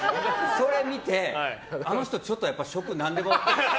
それ見てあの人ちょっと食何でも。